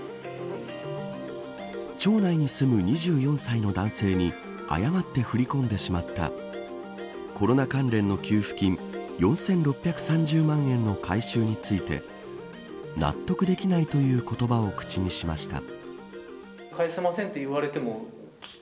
町内に住む２４歳の男性に誤って振り込んでしまったコロナ関連の給付金４６３０万円の回収について納得できないという言葉を口にしました。